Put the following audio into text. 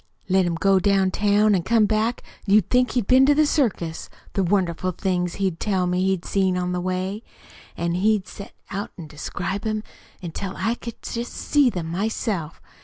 Let him go downtown an' come back you'd think he'd been to the circus, the wonderful things he'd tell me he'd seen on the way. An' he'd set 'em out an' describe 'em until I could just see 'em myself!